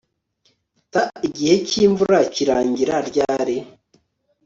T Igihe cyimvura kirangira ryari